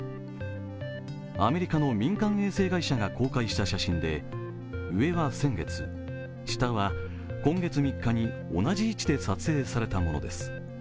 アメリカの民間衛星会社が公開した写真で上は先月、下は今月３日に同じ位置で撮影されたものです。